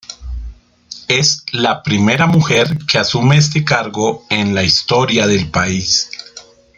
Es la primera mujer que asume este cargo en la historia del país.